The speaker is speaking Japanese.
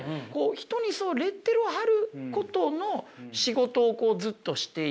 人にそのレッテルを貼ることの仕事をずっとしていて。